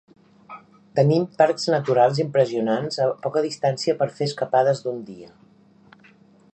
Tenim parcs naturals impressionants a poca distància per fer escapades d'un dia.